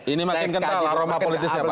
ini makin kental aroma politisnya pak